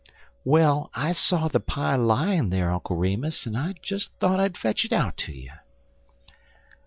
"Well, I saw the pie lying there, Uncle Remus, and I just thought I'd fetch it out to you."